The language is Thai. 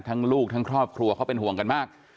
ลูกทั้งครอบครัวเขาเป็นห่วงกันมาก